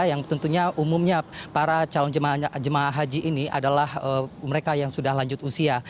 yang tentunya umumnya para calon jemaah haji ini adalah mereka yang sudah lanjut usia